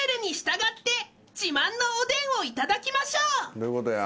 どういうことや？